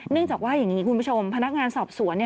จากว่าอย่างนี้คุณผู้ชมพนักงานสอบสวน